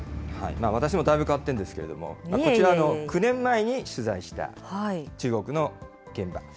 私もだいぶ変わってるんですけれども、こちら、９年前に取材した中国の現場。